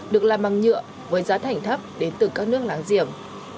được làm bằng nhựa với giá thành thấp đến từ các nước láng giềng